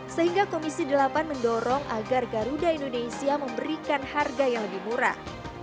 sehingga komisi delapan mendorong agar garuda indonesia memberikan harga yang lebih murah